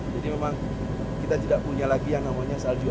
jadi memang kita tidak punya lagi yang namanya salju ini